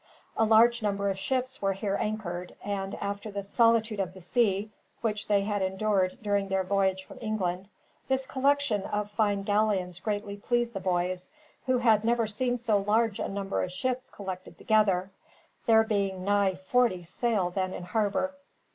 A large number of ships were here anchored and, after the solitude of the sea, which they had endured during their voyage from England, this collection of fine galleons greatly pleased the boys, who had never seen so large a number of ships collected together, there being nigh forty sail then in harbor.